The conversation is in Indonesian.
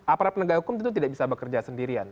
aparat penegak hukum itu tidak bisa bekerja sendirian